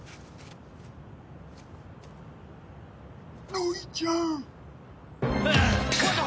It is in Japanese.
ノイちゃん。